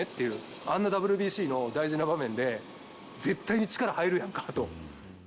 あんなＷＢＣの大事な場面で絶対に力入るやんかと。